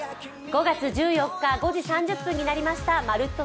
５月１４日５時３０分になりました、「まるっと！